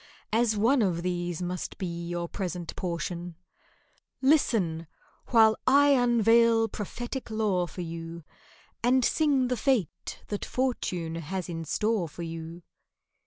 (As one of these must be your present portion) Listen, while I unveil prophetic lore for you, And sing the fate that Fortune has in store for you.